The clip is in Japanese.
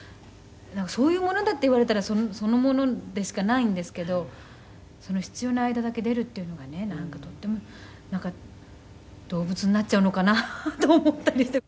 「そういうものだって言われたらそのものでしかないんですけどその必要な間だけ出るっていうのがねなんかとっても動物になっちゃうのかなと思ったりして」